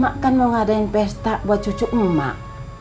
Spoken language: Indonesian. mak kan mau ngadain pesta buat cucu emak